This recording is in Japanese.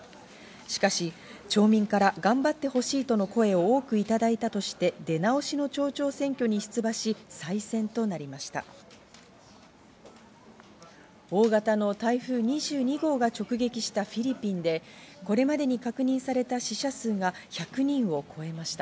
しかし町民から頑張ってほしいとの声を多くいただいたとして出直しの町長選挙に大型の台風２２号が直撃したフィリピンで、これまでに確認された死者数が１００人を超えました。